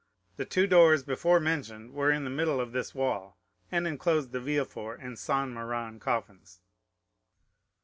The two doors before mentioned were in the middle of this wall, and enclosed the Villefort and Saint Méran coffins.